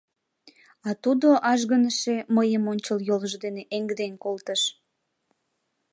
А тудо, ажгыныше, мыйым ончыл йолжо дене эҥден колтыш.